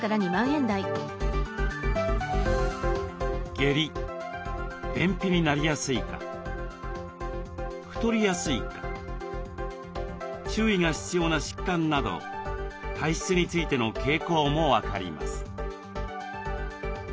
下痢便秘になりやすいか太りやすいか注意が必要な疾患など体質についての傾向も分かります。